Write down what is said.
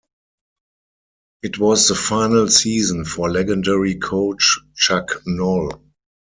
It was the final season for legendary coach Chuck Noll.